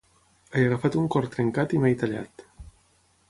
He agafat un cor trencat i m'he tallat.